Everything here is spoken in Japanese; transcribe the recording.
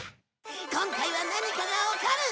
今回は何かが起こる！